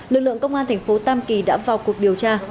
lực lượng công an thành phố tam kỳ đã vào cuộc điều tra